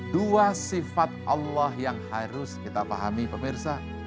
dua sifat allah yang harus kita pahami pemirsa